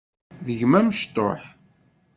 D gma amecṭuḥ.